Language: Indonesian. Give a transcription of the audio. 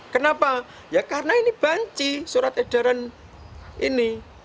kenapa ya karena ini banci surat edaran ini